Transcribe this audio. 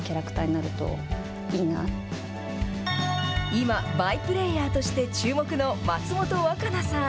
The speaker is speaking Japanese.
今、バイプレーヤーとして注目の松本若菜さん。